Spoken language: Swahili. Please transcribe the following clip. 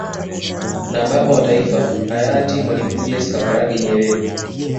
Na Baba wa Taifa hayati Mwalimu Julius Kambarage Nyerere